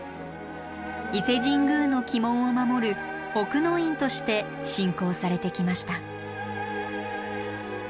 伊勢神宮の鬼門を守る「奥の院」として信仰されてきました。